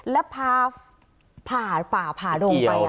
และผ่าผ่าผ่าผ่าโดงไป